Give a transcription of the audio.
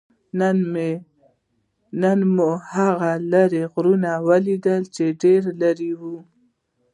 نن مو هغه لرې غرونه ولیدل؟ چې ډېر لرې ول.